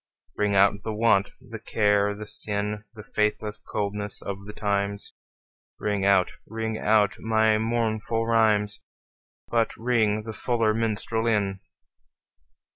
Ring out the want, the care the sin, The faithless coldness of the times; Ring out, ring out my mournful rhymes, But ring the fuller minstrel in.